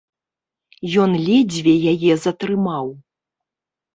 Ён ледзьве яе затрымаў.